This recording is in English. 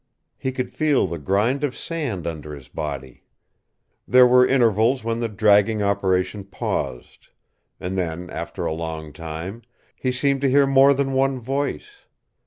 He could feel the grind of sand under his body. There were intervals when the dragging operation paused. And then, after a long time, he seemed to hear more than one voice.